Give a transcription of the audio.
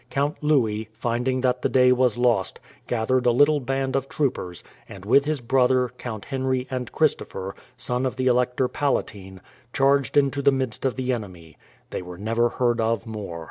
Count Louis, finding that the day was lost, gathered a little band of troopers, and with his brother, Count Henry, and Christopher, son of the Elector Palatine, charged into the midst of the enemy. They were never heard of more.